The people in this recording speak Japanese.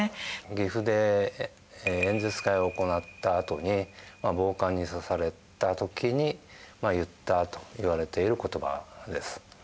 岐阜で演説会を行ったあとに暴漢に刺された時に言ったといわれている言葉です。